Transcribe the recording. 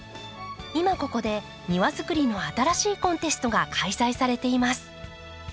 今ここで庭づくりの新しいコンテストが開催されています。